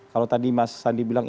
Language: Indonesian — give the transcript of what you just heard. kalau tadi mas sandi bilang